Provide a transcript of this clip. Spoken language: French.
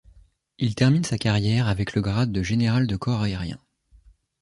Il termine sa carrière avec le grade de général de corps aérien.